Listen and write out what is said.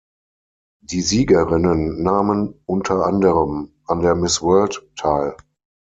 Die Siegerinnen nahmen unter anderem an der Miss World teil.